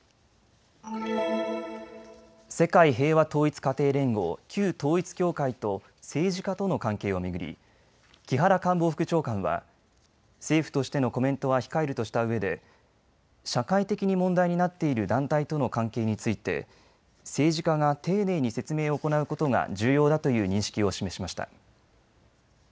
世界平和統一家庭連合、旧統一教会と政治家との関係を巡り木原官房副長官は政府としてのコメントは控えるとしたうえで社会的に問題になっている団体との関係について政治家が丁寧に説明を行うことが重要だという認識を示しました。